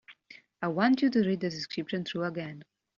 I want you to read this description through again.